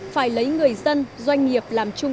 phải lấy người dân doanh nghiệp làm chung